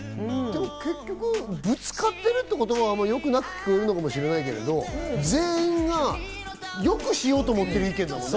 結局、ぶつかってるってことが良くなく聞こえるかもしれないけど、全員が良くしようと思ってる意見なんだよね。